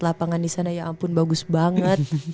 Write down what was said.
lapangan di sana ya ampun bagus banget